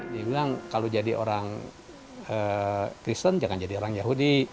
dia bilang kalau jadi orang kristen jangan jadi orang yahudi